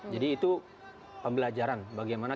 jadi itu pembelajaran bagaimana